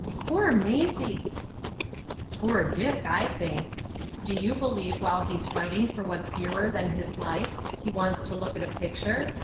"Poor Maisie!" "Poor Dick, I think. Do you believe while he's fighting for what's dearer than his life he wants to look at a picture?